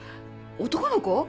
男の子？